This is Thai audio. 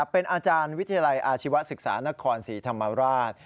เป็นอาจารย์วิทยาลัยอาชีวศึกษานครศรีธรรมราช